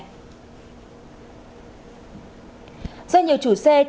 do nhiều chủ xe ở tỉnh quảng ngãi vẫn chưa nắm được quy định này